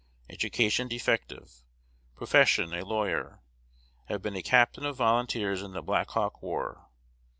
Education defective. Profession, a lawyer. Have been a captain of volunteers in the Black Hawk War.